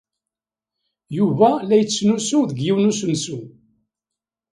Yuba la yettnusu deg yiwen n usensu.